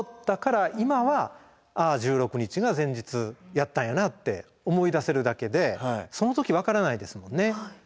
今は「あ１６日が前日やったんやな」って思い出せるだけでその時分からないですもんね。